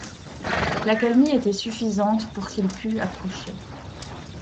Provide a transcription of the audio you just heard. L’accalmie était suffisante pour qu’il pût approcher.